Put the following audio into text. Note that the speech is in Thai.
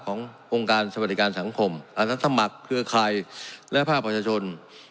ขององค์การสวัสดิการสังคมอาสาสมัครเครือข่ายและภาคประชาชน